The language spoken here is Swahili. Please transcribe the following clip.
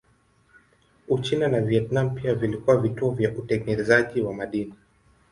Uchina na Vietnam pia vilikuwa vituo vya utengenezaji wa madini.